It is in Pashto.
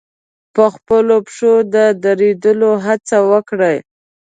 په خپلو پښو د درېدو هڅه وکړي.